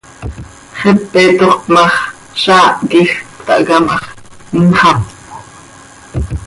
Xepe tooxp ma x, zaah quij cötahca ma x, imxapjö.